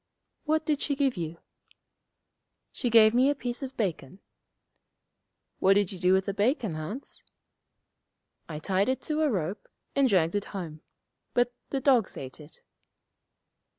'What did she give you?' 'She gave me a piece of bacon.' 'What did you do with the bacon, Hans?' 'I tied it to a rope, and dragged it home. But the dogs ate it.'